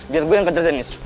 biar gue yang ngejar dennis